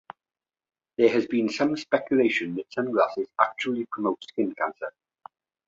There has been some speculation that sunglasses actually promote skin cancer.